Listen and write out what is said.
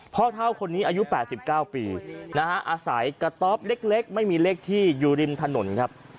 เท่าคนนี้อายุ๘๙ปีนะฮะอาศัยกระต๊อบเล็กไม่มีเลขที่อยู่ริมถนนครับ